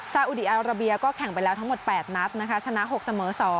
ซาอุดีอาราเบียก็แข่งไปทั้งหมด๘นัดชนะ๖เสมอ๒